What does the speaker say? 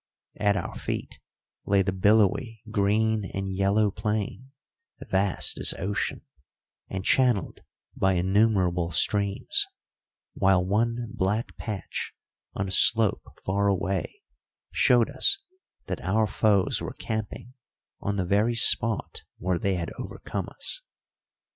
At our feet lay the billowy green and yellow plain, vast as ocean, and channelled by innumerable streams, while one black patch on a slope far away showed us that our foes were camping on the very spot where they had overcome us.